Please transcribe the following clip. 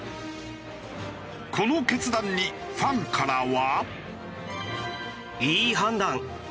この決断にファンからは。